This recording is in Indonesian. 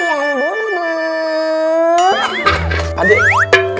gak ada wet